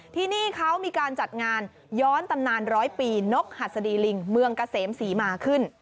ที่นี่เขามีการจัดงานย้อนตำนานร้อยปีนกหัสดีลิงเมืองเกษมศรีมาขึ้น